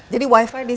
jadi wifi di sini